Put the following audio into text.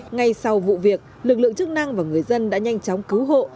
ngay sau vụ việc lực lượng chức năng và người dân đã nhanh chóng cứu hộ